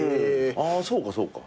あそうかそうか。